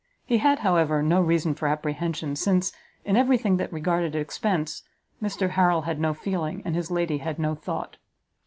He had, however, no reason for apprehension, since, in every thing that regarded expence, Mr Harrel had no feeling, and his lady had no thought.